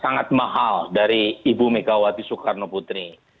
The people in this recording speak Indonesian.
sangat mahal dari ibu megawati soekarno putri